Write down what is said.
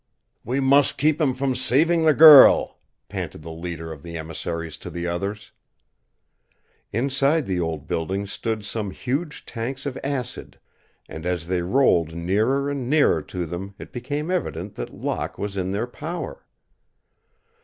"We must keep him from saving the girl," panted the leader of the emissaries to the others. Inside the old building stood some huge tanks of acid, and as they rolled nearer and nearer to them it became evident that Locke was in their power.